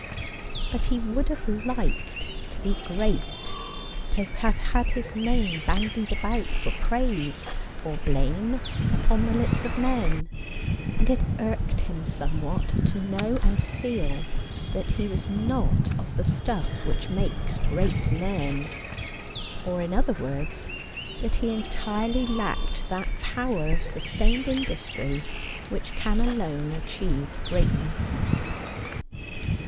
But he would have liked to be great, to have had his name bandied about for praise or blame upon the lips of men ; and it irked him somewhat to know and feel that he was not of the stufE which makes great men ; or, in other words, that he entirely lacked that power of sustained industry which can alone achieve greatness.